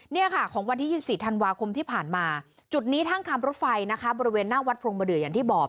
เนี่ยค่ะของวันที่๒๔ธันวาคมที่ผ่านมาจุดนี้ท่างรถไฟนะคะบริเวณหน้าวัดพรงบเดืออย่างที่บอก